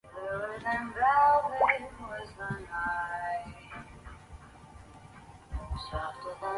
尾道系统交流道是位于广岛县尾道市的山阳自动车道与尾道自动车道之系统交流道。